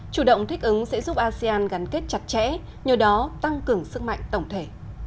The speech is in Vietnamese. chủ động thích ứng sẽ giúp asean gắn kết chặt chẽ nhờ đó tăng cường sức mạnh tổng thể